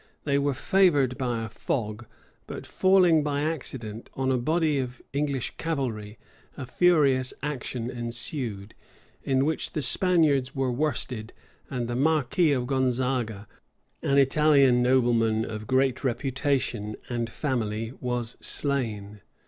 They were favored by a fog; but falling by accident on a body of English cavalry, a furious action ensued, in which the Spaniards were worsted, and the marquis of Gonzaga, an Italian nobleman of great reputation and family was slain.